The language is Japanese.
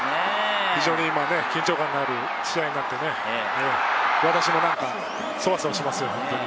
非常に緊張感のある試合になって、私も何かそわそわしますよ、本当に。